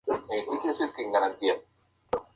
El cuarto trocánter está en pendiente.